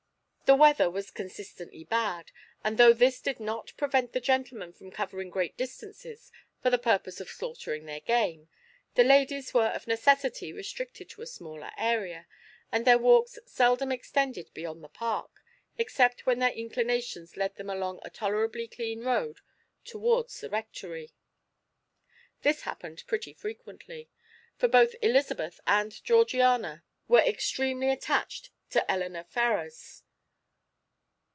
The weather was consistently bad, and though this did not prevent the gentlemen from covering great distances for the purpose of slaughtering their game, the ladies were of necessity restricted to a smaller area, and their walks seldom extended beyond the park, except when their inclinations led them along a tolerably clean road towards the Rectory. This happened pretty frequently, for both Elizabeth and Georgiana were extremely attached to Elinor Ferrars.